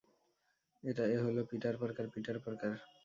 এ হলো Peter Parker, Peter Parker.